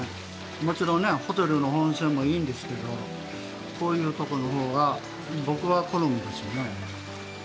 もちろんねホテルの温泉もいいんですけどこういうとこの方が僕は好みですね。